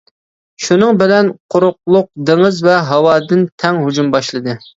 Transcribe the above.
شۇنىڭ بىلەن قۇرۇقلۇق، دېڭىز ۋە ھاۋادىن تەڭ ھۇجۇم باشلىدى.